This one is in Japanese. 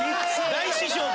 大師匠と！？